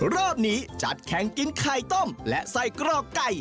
รอบนี้จัดแข่งกินไข่ต้มและไส้กรอกไก่